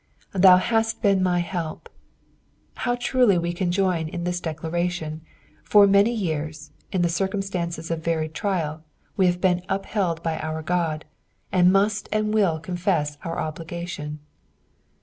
" Thou hatt leen my help." How truly can we join in this declaration ; for many years, in circumstances of varied trial, we have been upheld by our God, and must and will coniesa our obligation.